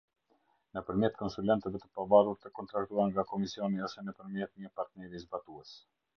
Nëpërmjet konsulentëve të pavarur të kontraktuar nga Komisioni ose nëpërmjet një partneri zbatues.